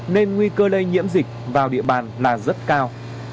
nên nguy cơ lây nhiễm dịch vào địa bàn là rất cao